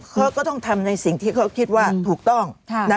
เขาก็ต้องทำในสิ่งที่เขาคิดว่าถูกต้อง